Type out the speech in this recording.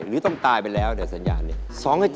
หรือต้องตายไปแล้วเนี่ยสัญญาณ